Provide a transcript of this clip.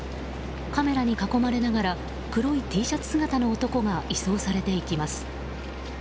カメラに囲まれながら黒いＴシャツ姿の男が移送されていきます。